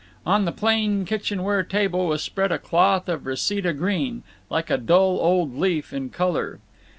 On the plain kitchen ware table was spread a cloth of Reseda green, like a dull old leaf in color.